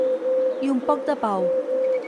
I un poc de pau.